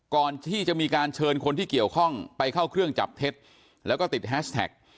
ก่อนที่จะมีการเชิญคนที่เกี่ยวข้องไปเข้าเครื่องจับเท็จแล้วก็ติดแฮชแท็ก